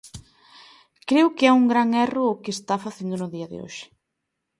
Creo que é un gran erro o que están facendo no día de hoxe.